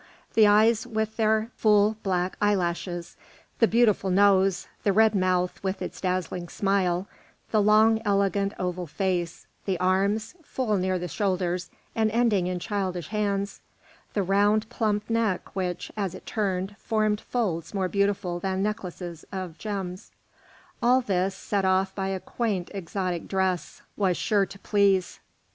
The eyes with their full black eyelashes, the beautiful nose, the red mouth with its dazzling smile, the long, elegant oval face, the arms, full near the shoulders and ending in childish hands, the round, plump neck which, as it turned, formed folds more beautiful than necklaces of gems, all this, set off by a quaint, exotic dress, was sure to please.